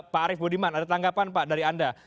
pak arief budiman ada tanggapan pak dari anda